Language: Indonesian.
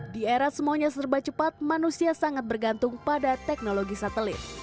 di era semuanya serba cepat manusia sangat bergantung pada teknologi satelit